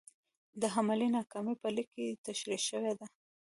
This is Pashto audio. د حملې ناکامي په لیک کې تشرېح شوې ده.